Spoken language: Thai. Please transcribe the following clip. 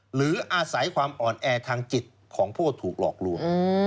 หรืออาศัยความอ่อนแอทางจิตของผู้ถูกหลอกลวง